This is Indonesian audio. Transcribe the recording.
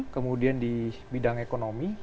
kemudian di bidang ekonomi